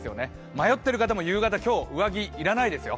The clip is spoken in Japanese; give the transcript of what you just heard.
迷ってる方も夕方、今日は上着、要らないですよ。